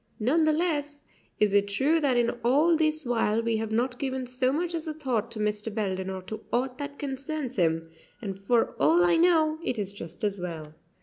None the less is it true that in all this while we have not given so much as a thought to Mr. Belden or to aught that concerns him; and for all I know it is just as well.